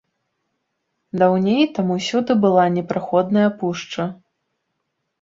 Даўней там усюды была непраходная пушча.